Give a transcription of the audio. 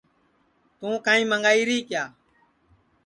توں کائیں منٚگائی ری کیا